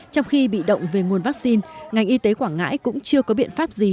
trong khi bị động về nguồn vaccine ngành y tế quảng ngãi cũng chưa có biện pháp gì